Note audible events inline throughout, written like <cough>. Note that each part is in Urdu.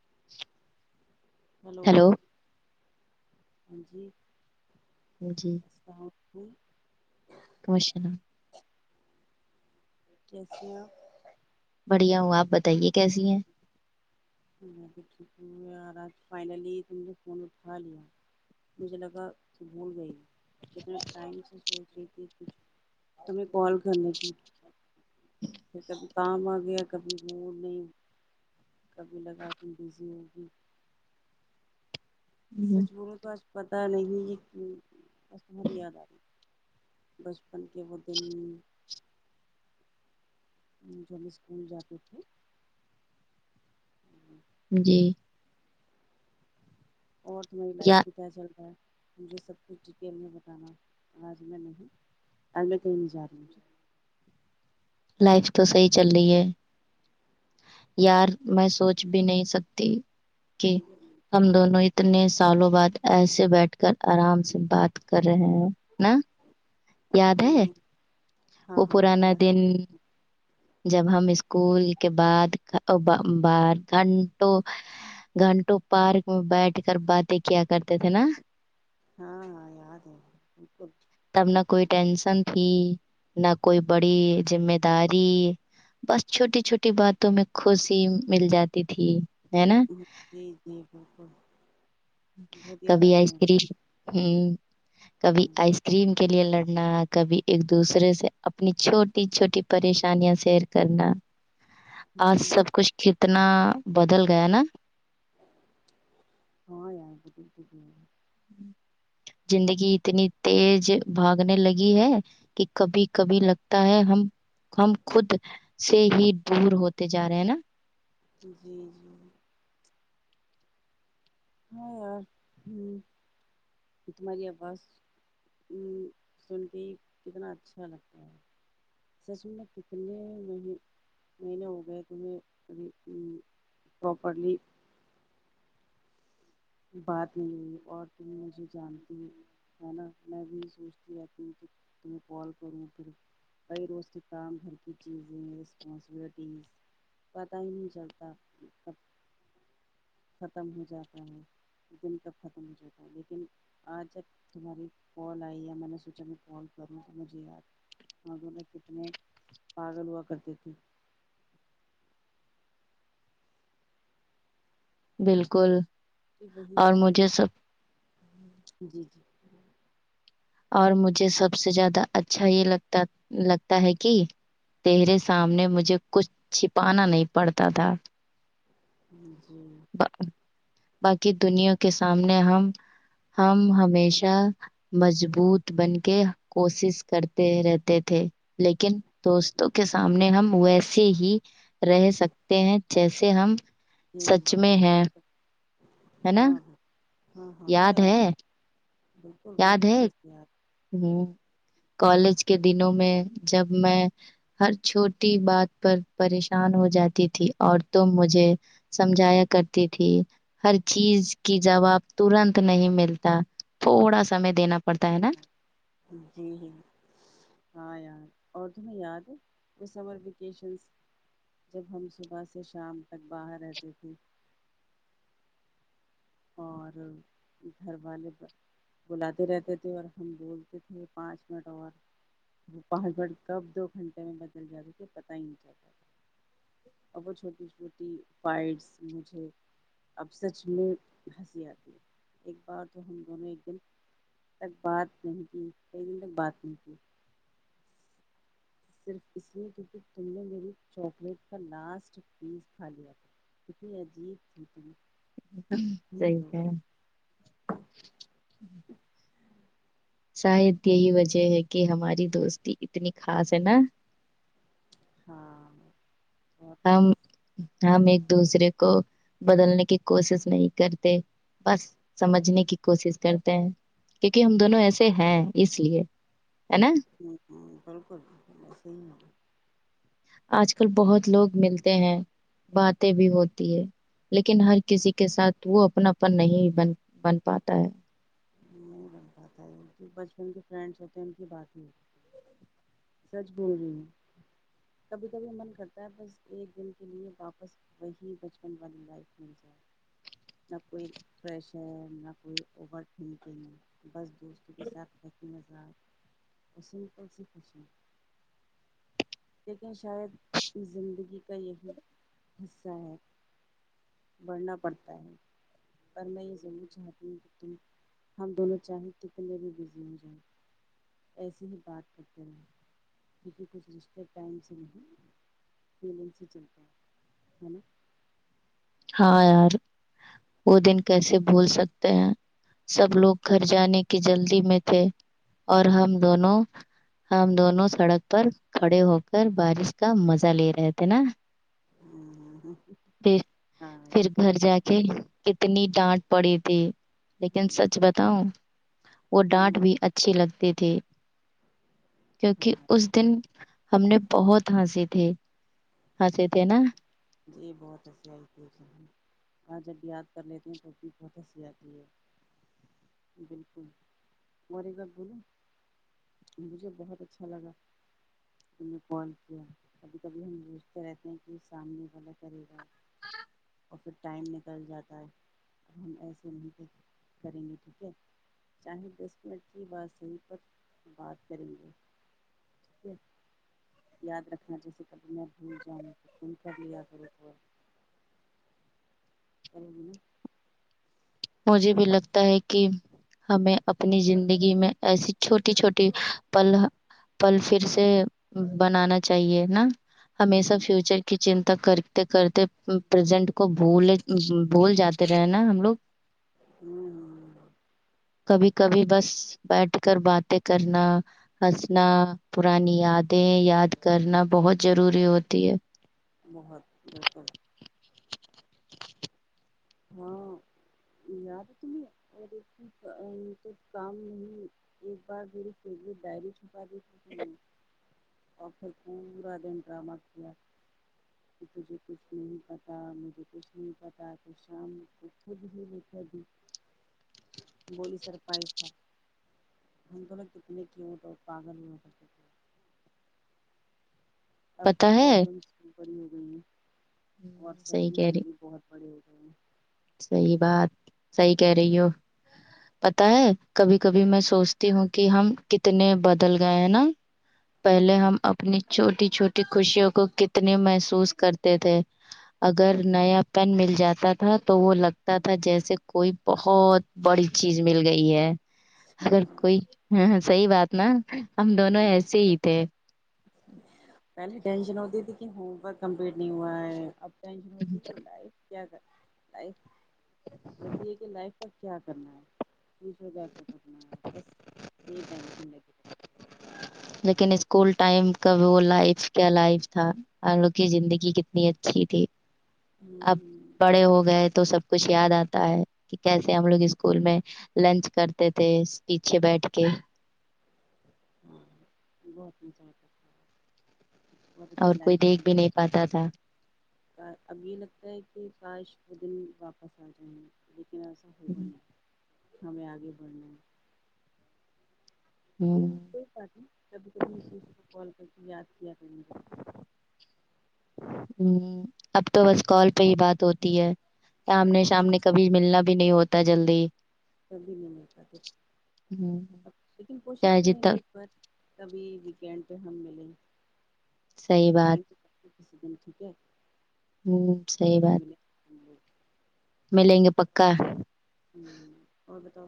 <unintelligible> ہلو ہیلو <unintelligible> ہاں جی <unintelligible> جی السلام علیکم کمش ن <unintelligible> جسے <unintelligible> بڑھیا ہوں آپ بتائیے کیسی ہیں <unintelligible> ٹھیک آ رہا فائنلی تم نے فون اٹھا لیا مجھے لگا تو بھول گئی کتنے ٹائم سے سوچ رہی تھی کچھ تمہیں کال کرنے کی پھر کبھی کام آ گیا کبھی وہ نہیں <unintelligible> کبھی لگا تم بزی ہوگی <unintelligible> ہم، سجو تو آج <unintelligible> پتا نہیں یہ کہ ب مر یاد آ رہ بچپن کے وہ دن <unintelligible> ج اسکول جات تھی <unintelligible> جی <unintelligible> اور تمہری لائف یا بھی کیا چلتا ہے <unintelligible> مجھے سب کچھ ڈیٹیل میں بتانا آج میں نہیں آج میں کہیں نہیں جا رہی م <unintelligible> لائف تو صحی چل رہی ہے یار میں سوچ بھی نہیں سکتی <unintelligible> کہ ہم دونوں <unintelligible> اتنے سالوں بعد ایسے بیٹھ کر آرام سے بات کر رہے ہیں <unintelligible> ن یاد ہے ہوں ہاں وہ ہاں پرانا یار دن <unintelligible> جب ہم اسکول کے بعد بار گھنٹوں گھنٹوں پارک میں بیٹھ کر باتیں کیا کرتے تھے نا <unintelligible> ہاں ہاں یاد ہے بک <unintelligible> ھی نہ کوئی بڑی جی میں داری بس چھوٹی چھوٹی باتوں میں خوشی مل جاتی تھی ہے نا جی جی بالکل بہت یاد کبھی آتے ہیں ایستری ہ کبھی ہوں آئس کریم کے لیے ل نہ کبھی ایک دوسرے سے اپنی چھوٹی چھوٹی پریشانیاں سیر کرنا آج ہوں سب کچھ ٹھیک اتنا بدل گیا نا جی زندگی اتنی تیز بھاگنے لگی ہے کہ کبھی کبھی لگتا ہے ہم ہم خود سے ہی دور ہوتے جا رہے ہیں نا جی جی <inaudible> ہاں یار ہ تمہاری آواز سنتی کتنا اچھا لگتا ہے سچ م میں کتنے م مہینے ہو گئے تمہیں پراپرلی <unintelligible> بات نہیں ہوئی اور تم مجھے جانتی ہے نا میں بھی سوچتی رہتیوں کہ تمہیں کال کروں پھر کئی روز کے کام گھر کی چیزیں رسپانسبلٹیز پت ہی نہیں چلتاب ختم ہو جاتا ہے دن کب ختم ہو جاتا ہے لیکن آج جب تمہاری کال آئی یا میں نے سوچا میں کال کروں تو مجھے یاد مگر میں کتنے پاگل ہوا کرتے تھے بالکل وہی اور مجھے اسٹوری س جی جی اور مجھے سب سے زیادہ اچھا یہ لگتا لگتا ہے کہ ترے سامنے مجھے کچھ چھپانا نہیں پڑتا تھا جی <unintelligible> با باقی دنیا کے سامنے ہم ہم ہمیشہ مجبو بت بن کے کوشش کرتے رہتے تھے لیکن دوستوں کے سامنے ہم ویسے ہی رہ سکتے ہیں جیسے ہم <unintelligible> جی سچ جی میں ہیں بک ہے نا ہاں ہاں ہاں ہاں ہےاں یاد ار ہے بالکل بہت یاد اچھے ہے اخار ہ کالج کے دنوں میں جب میں ہر چھوٹی بات پر پریشان ہو جاتی تھی اور تووں مجھے سمجھایا کرتی تھی ہر چیز کی جواب ترنت نہیں ملتا تھوڑا سمے دینا پڑتا ہے نا <unintelligible> جی جی ہاں یار اور تمہیں یاد ہے وہ سمر ویکیشنس جب ہم صبح سے شام تک باہر رہتے تھے اور گھر والے بلاتے رہتے تھے اور ہم بولتے تھے پانچ منٹ اور وہ پانچ منٹ کب دو گھنٹے میں بدل جاتے تھے پت ہی نہیں چتا تھا اور وہ چھوٹی چھوٹیس مجھے اب سچ میں ہنسی آتی ہے ایک بار تو ہم دونوں ایک دن تک بات نہیں کی کئی دن تک بات نہیں کی صرف اس لیے کیونکہ تم نے میری چاکلیٹ کا لاسٹ پیس کھا لیا تھا اتنی عجیب تھی صحیح ت کہ <inaudible> شاید یہی وجہ ہے کہ ہماری دوستی اتنی خاص ہے نا ہاں بہت ہم خاص۔ ہم ایک دوسرے کو بدلنے کی کوشش نہیں کرتے بس سمجھنے کی کوشش کرتے ہیں کیونکہ ہم دونوں ایسے ہیں اس لیے ہے نا ہ ہ بالکل بکلسحی ہے آج کل بہت لوگ ملتے ہیں باتیں بھی ہوتی ہے لیکن ہر کسی کے ساتھ وہ اپنا پن نہیں بن بن پاتا ہے نہیں بن پاتا ہے جو بچپن کے فرینڈس ہوتے ہیں ان کی بات نہیں <unintelligible> سچ بول رہی ہوں کبھی کبھی من کرتا ہے بس ایک دن کے لیے واپس وہی بچپن والی لائف مل جائے نہ کوئی پریشر نہ کوئی او کے بس دوست کے ساتھ <unintelligible> ت ہزار پسند پ سے پس <unintelligible> لیکن شاید زندگی کا یہی حصہ ہے بڑھنا پڑتا ہے پر میں یہ ضرور چاہتی ہوں کہ تم ہم دونوں چاہیں کتنے بھی بزی ہو جائؤ <unintelligible> ایسی ہی بات کرتے رہے کیونکہ کچھ رشتے ٹائم سے نہیں مین سے چلتا ہے ہے نا <unintelligible> ہاں یار وہ دن کیسے بھول سکتے ہیں سب لوگ گھر جانے کی جلدی میں تھے اور ہم دونوں ہم دونوں سڑک پر کھڑے ہو کر بارش کا مزہ لے رہے تھے نا ہاں پھر یار گھر جا کے <unintelligible> کتنی ڈانٹ پڑی تھی لیکن سچ بتاؤ وہ ڈانٹ بھی اچھی لگتی تھی ہاں کیونکہ اس دن ہم نے بہت ہنس تھے ہنس تھے نا <unintelligible> جی بہت ہنسی آئیتی ہے آ جب یاد کر لیتے ہیں تو اب بھی بہت ہنسی آتی ہے بالکل اور ایک ب بولو مجھے بہت اچھا لگا ت نے کال کیا کبھی کبھی ہم بوجھتے رہتے ہیں کہ سامنے والغا <unintelligible> سری گا <unintelligible> <inaudible> ہ <unintelligible> اور پھر ٹائم نکل جاتا ہے اب ہم ایسے نہیں د کریں گے ٹھیک ہے چاہے دس منٹ کی بات صحیح پر بات کریں گے ٹھیک ہے یاد رکھنا جیسے کبھی میں بھول جاؤں تو فون کر لیا کرو <unintelligible> ہاں <unintelligible> ا <inaudible> مجھے بھی لگتا ہے کہ ہمیں اپنی زندگی میں ایسی چھوٹی چھوٹی پل پل پھر سے بنانا چاہیے نا ہمیشہ ہوں فیوچر کی چنتا کر کرتے پرزینٹ کو بول بھول جاتے رہے نا ہم لوگ ہوں کبھی کبھی بس بیٹھ کر باتیں کرنا ہنسنا پرانی یادیں یاد کرنا بہت ضروری ہوتی ہے بہت ب یا تو ت تو کام نہیں ایک بار میر فے ڈائرش بد اور پھر پورا دن ڈرامہ کیا کہ تجھے کچھ نہیں پتا مجھے کچھ نہیں پتا تو شام کو خود ہی دکھے دی بولی سر پیسہ ہم کو لوگ کتنے کی مٹر پاگل میں ہوٹرنے اب تو پتا ہے پرابلمس بڑی ہو گئی ہیں اور ہم، سچ میں ہم بھی بہت بڑے ہوئے ہاں صحی بات صحی کہہ رہی ہو پتا ہے کبھی کبھی میں سوچتی ہوں کہ ہم کتنے بدل گئے ہیں نا پہلے ہیں ہم اپنی چھوٹی چھوٹی خوشیوں کو کتنے محسوس کرتے تھے اگر نیا پین مل جاتا تھا تو وہ لگتا تھا جیسے کوئی بہت بڑی چیز مل گئی ہے اگر کوئی ہ صحیح بات نا ہم دونوں ہوں ایسے ہی تھے پہلے ٹینشن ہوتی تھی کہ ہوم ورک کمپلیٹ نہیں ہوا ہے اب ب کیا لائف ہوتی ہے کہ لائف کا کیا کرنا ہے چیز و کر اورنا بس نہیں پینشن لگ لیکن اسکول ٹائم کا وہ لائف کیا لائف تھا ہم لوگ کی زندگی کتنی اچھی تھی ہے اب ہوں بڑے ہو گئے تھے تو سب کچھ یاد آتا ہے کہ کیسے ہم لوگ اسکول میں لنچ کرتے تھے پیچھے بیٹھ کے ہاں بہت مزا کرتا بہت اور اچھی کوئی لائف دیکھ کی بھی نہیں پاتا تھا اب یہ لگتا ہے کہ کاش دل واپس آ جائیں ل ا ہو کوئی نا <unintelligible> ہمیں آگے بڑھنا ہے ہوں، لیکن پ س کبھی کبھی ایک دوسے کو کال کر یاد کیا کر م ہ اب تو بس کال پہ ہی بات ہوتی ہے سامنے سامنے کبھی ملنا بھی نہیں ہوتا جلدی کبھی نہیں مل پ ہوں، اب لیکن کوشش چاہے کریں جتنا گے ایک بار کبھی ویکینڈ پہ ہم ملیں صحی بات ک دن ٹھیک ہے ہوں صی اور بات ملیں ہم لوگ ملیں گے پکا ہ اور ب تو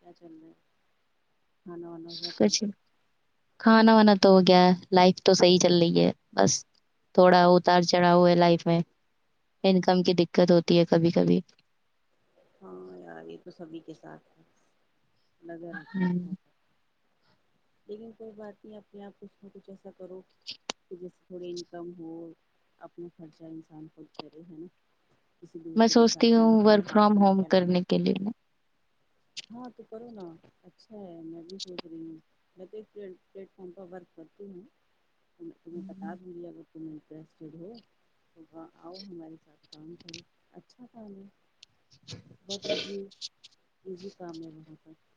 کیا چل رہ ہے کھانا وانا ہوا کچ تمہارا کھانا وانا تو ہو گیا لائف تو صحیح چل رہی ہے بس تھوڑا اتار چڑھا ہوا ہے لائف میں انکم کی دقت ہوتی ہے کبھی کبھی ہاں یار یہ تو سبھی کے ساتھ ہیں لگ <unintelligible> لیکن کوئی بات نہیں اپنے آپ اس میں کھ اچھا کرو پ جی تھوڑی انکم ہو اپنا خرچہ انسان کود کرے ہے نا کسی میں دوسرے کے سوچتی ساتھ میں ہوں تمہیں ورک فرام ہاتھ نہ ہوم پھیلانا کرنے کے پڑے لیے ہاں تو کرو نا اچھا ہے میں بھی سوچ رہی ہوں میں تو ایک پلیٹ فارم پر ورک کرتی ہوں تمہیں بتا دوں گی اگر تم انٹرسٹیڈ ہو تو وہ آؤ ہماری سا کام کریں اچھا کام ہے بہت ایزی ایزی کامیاب ہوتا ہے <unintelligible>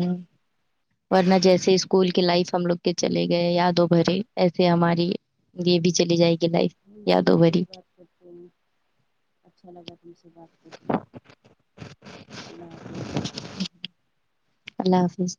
ہ پڑھنا جیسے اسکول کی لائف ہم لوگ چلے گئے یادوں بھرے ایسے ہماری یہ بھی چلی جائے گی لائف انشا یادوں اللہ پھر بھری بات کرتی ہوں اچھا لگا تم سے بات کر کے اللہ حافظ اللہ حافظ